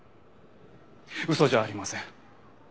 嘘じゃありません。